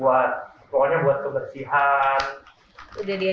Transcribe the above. buat pokoknya buat kebersihan